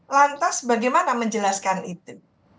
lantas bagaimana menjelaskan itu